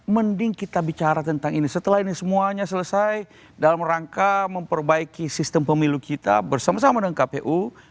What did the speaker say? mending kita bicara tentang ini setelah ini semuanya selesai dalam rangka memperbaiki sistem pemilu kita bersama sama dengan kpu